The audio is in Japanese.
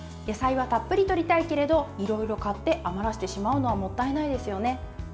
野菜はたっぷりとりたいけれどいろいろ買って余らせてしまうのはもったいないですよね。